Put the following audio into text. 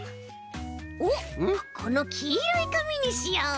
おっこのきいろいかみにしよう。